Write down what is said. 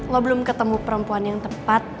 lo belum ketemu perempuan yang tepat